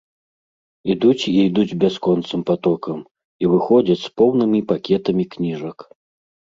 Ідуць і ідуць бясконцым патокам, і выходзяць з поўнымі пакетамі кніжак.